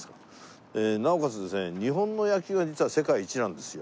なおかつですね日本の野球は実は世界一なんですよ。